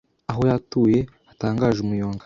Aho yatuye hatangaje umuyonga